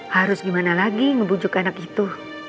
harus gimana lagi ngebujuk anak itu